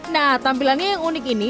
nah tampilannya yang unik ini